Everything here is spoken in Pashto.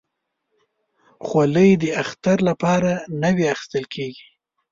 خولۍ د اختر لپاره نوي اخیستل کېږي.